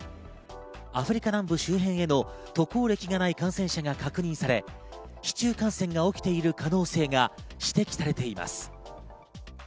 アフリカ南部周辺への渡航歴がない感染者が確認され、市中感染が起きている可能性が指摘されています。